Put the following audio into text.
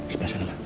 sampai sana pak